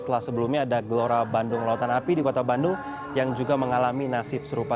setelah sebelumnya ada gelora bandung lautan api di kota bandung yang juga mengalami nasib serupa